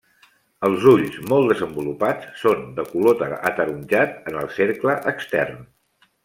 Els ulls, molt desenvolupats, són de color ataronjat en el cercle extern.